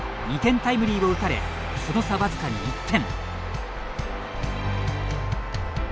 ２点タイムリーを打たれその差、わずかに１点。